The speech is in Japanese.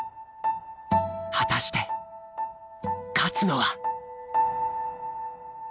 果たして勝つのは？